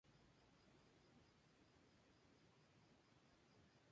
Ruben Castle es un policía retirado de Nueva York y un alcohólico en recuperación.